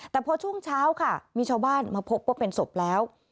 แต่พอช่วงเช้าค่ะมีชาวบ้านมาพบว่าเป็นศพแล้ว